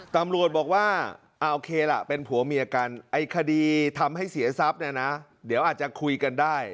ตำรวจบอกว่าโอเคล่ะเป็นผัวเมียกันไอ้คดีทำให้เสียทรัพย์เนี่ยนะเดี๋ยวอาจจะคุยกันได้